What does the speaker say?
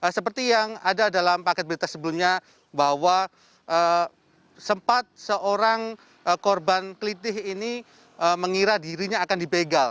seperti yang ada dalam paket berita sebelumnya bahwa sempat seorang korban kelitih ini mengira dirinya akan dibegal